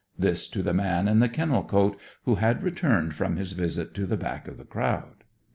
this to the man in the kennel coat, who had returned from his visit to the back of the crowd.